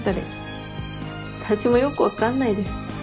私もよく分かんないです。